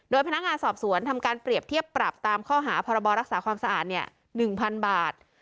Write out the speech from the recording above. โดยพนักงานสอบสวนทำการเปรียบเทียบปรับตามข้อหาพรบรรยาศาสตร์ความสะอาดเนี้ยหนึ่งพันบาท